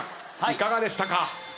いかがでしたか？